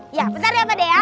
iya bentar ya pak d ya